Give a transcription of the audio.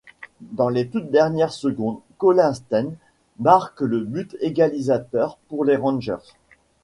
Dans les toutes dernières secondes, Colin Stein marque le but égalisateur pour les Rangers.